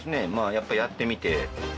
やっぱやってみて。